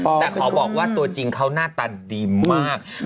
แต่ขอบอกว่าตัวจริงเขาหน้าตาดีมาก